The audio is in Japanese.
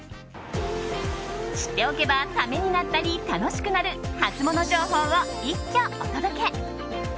知っておけばためになったり楽しくなるハツモノ情報を一挙お届け。